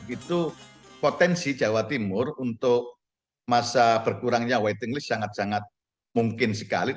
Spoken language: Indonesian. itu potensi jawa timur untuk masa berkurangnya waiting list sangat sangat mungkin sekali